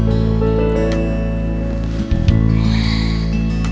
sampai jumpa lagi